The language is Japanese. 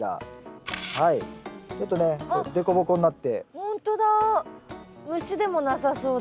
ほんとだ。